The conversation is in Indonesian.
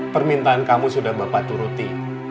permintaan kamu sudah bapak turuti